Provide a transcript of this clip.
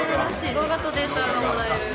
動画とデータがもらえる。